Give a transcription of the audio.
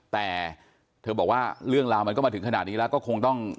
แต่เธอบอกว่าเรื่องราวมันก็มาถึงขนาดนี้แล้วก็คงต้อง